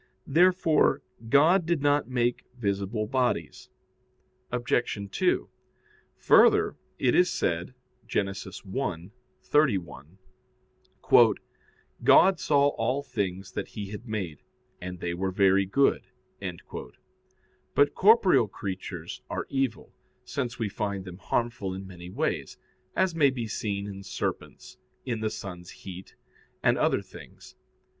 Therefore God did not make visible bodies. Obj. 2: Further, it is said (Gen. 1:31): "God saw all things that He had made, and they were very good." But corporeal creatures are evil, since we find them harmful in many ways; as may be seen in serpents, in the sun's heat, and other things.